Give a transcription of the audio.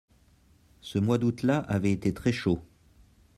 Ce mois d'août-là avait été très chaud.